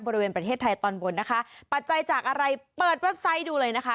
บริเวณประเทศไทยตอนบนนะคะปัจจัยจากอะไรเปิดเว็บไซต์ดูเลยนะคะ